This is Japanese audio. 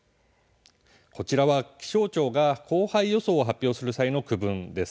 こちらは気象庁が降灰予想を発表する際の区分です。